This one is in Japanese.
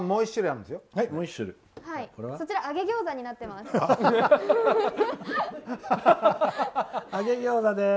そちら、揚げ餃子になってます。